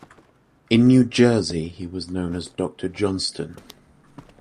In New Jersey he was known as Doctor Johnstone.